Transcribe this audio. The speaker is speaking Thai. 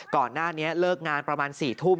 ก่อนหน้านี้เลิกงานประมาณ๔ทุ่ม